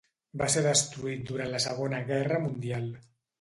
Va ser destruït durant la Segona Guerra Mundial.